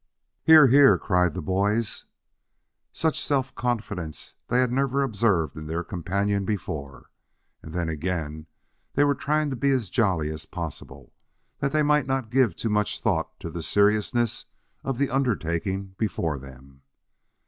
"Hear, hear!" cried the boys. Such self confidence they had never observed in their companion before. And then again, they were trying to be as jolly as possible, that they might not give too much thought to the seriousness of the undertaking before them.